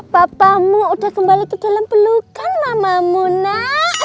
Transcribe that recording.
bapamu udah kembali ke dalam pelukan mamamu nak